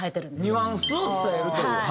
ニュアンスを伝えるという。